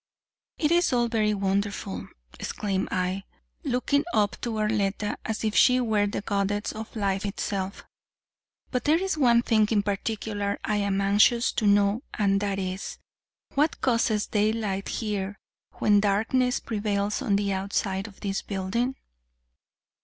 "It is all very wonderful," exclaimed I, looking up to Arletta as if she were the goddess of life itself, "but there is one thing in particular I am anxious to know and that is: what causes daylight here when darkness prevails on the outside of this building?"